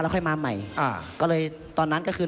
ค่อยมาใหม่อ่าก็เลยตอนนั้นก็คือ